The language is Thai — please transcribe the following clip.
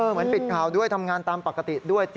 ปิดข่าวด้วยทำงานตามปกติด้วย